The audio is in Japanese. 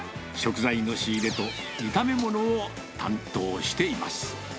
食材の仕入れと炒めものを担当しています。